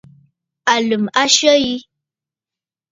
Àlə̀m a syə yi.